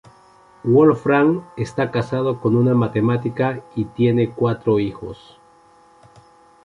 Wolfram está casado con una matemática y tiene cuatro hijos.